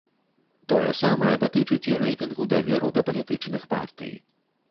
Тое самае датычыць і рэйтынгу даверу да палітычных партый.